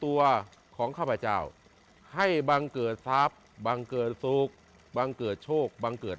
วัดก็อเติม